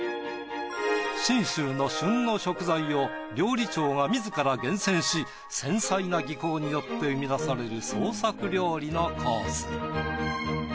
信州の旬の食材を料理長が自ら厳選し繊細な技巧によって生み出される創作料理のコース。